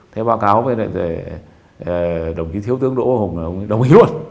thế báo cáo với đồng chí thiếu tướng đỗ hùng là đồng chí luôn